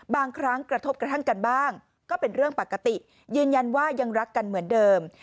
บางครั้งกระทบกระทั่งกันบ้างก็เป็นเรื่องปกติยืนยันว่ายังรักกันเหมือนเดิม